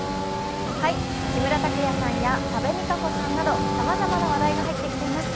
木村拓哉さんや多部未華子さんなどさまざまな話題が入ってきています。